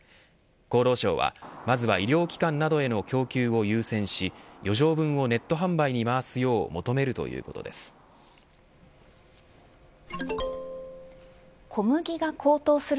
厚労省はまずは医療機関などへの供給を優先し余剰分をネット販売に回すよう求めるということです。